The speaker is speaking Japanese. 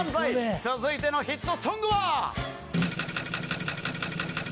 続いてのヒットソングは。